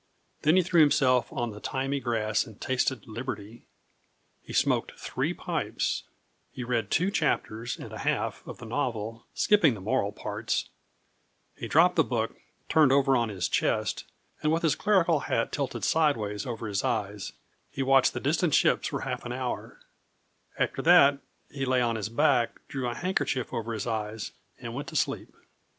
Then he threw himself on the thymy grass and tasted liberty. He smoked three pipes; he read two chapters and a half of the novel, skipping the moral parts; he dropped the book, turned over on his chest, and with his clerical hat tilted sideways over his eyes, he watched the distant ships for half an hour; after that he lay on his back, drew a handkerchief over his eyes and went to sleep.